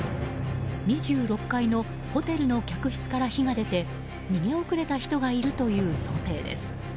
２６階のホテルの客室から火が出て逃げ遅れた人がいるという想定です。